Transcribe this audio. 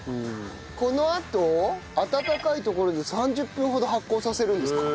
このあと暖かい所で３０分ほど発酵させるんですか。